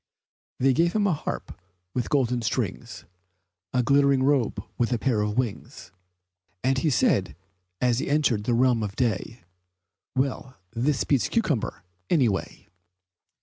They gave him a harp with golden strings, A glittering robe with a pair of wings, And he said, as he entered the Realm of Day, "Well, this beats cucumber, any way!"